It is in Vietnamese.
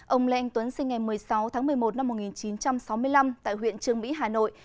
ông lê anh tuấn sinh ngày một mươi sáu tháng một mươi một năm một nghìn chín trăm sáu mươi năm tại huyện trương mỹ hà nội